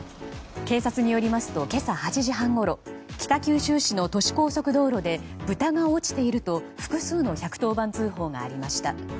警察によりますと今朝８時半ごろ北九州市の都市高速道路で豚が落ちていると複数の１１０番通報がありました。